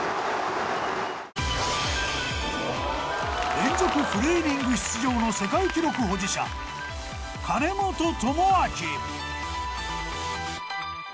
連続フルイニング出場の世界記録保持者金本知憲。